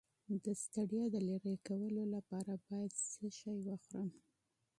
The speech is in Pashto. د ستړیا د لرې کولو لپاره باید څه شی وخورم؟